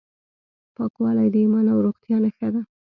پاکوالی د ایمان او روغتیا نښه ده.